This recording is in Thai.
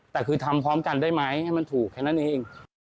แต่คือทำพร้อมกันได้ไหมให้มันถูกแค่นั้นเอง